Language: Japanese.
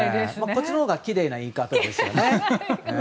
こっちのほうがきれいな言い方ですね。